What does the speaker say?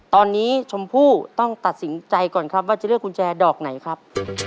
ตอนนี้ชมพู่ต้องตัดสินใจก่อนครับว่าจะเลือกกุญแจดอกไหนครับ